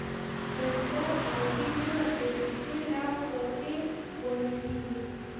په زړه عربي ژبه کې د ث لفظ په ت ویل کیږي